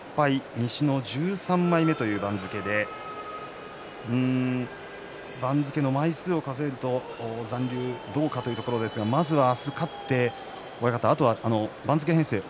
西の１３枚目という番付で番付の枚数を数えると残留どうかというところですがまず明日、勝って親方、あとは番付編成ですね。